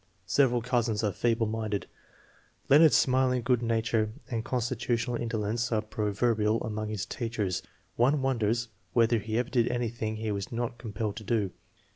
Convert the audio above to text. Several cousins are feeble minded. Leonard's smiling good nature and constitutional indolence are proverbial among his teachers. One wonders whether he ever did anything he was not compelled to do.